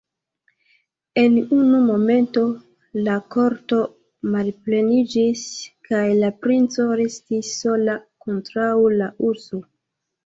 En unu momento la korto malpleniĝis, kaj la princo restis sola kontraŭ la urso.